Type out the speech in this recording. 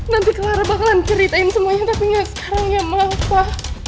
nanti clara bakalan ceritain semuanya tapi gak sekarang ya ma pa